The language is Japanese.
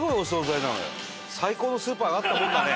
最高のスーパーがあったもんだね。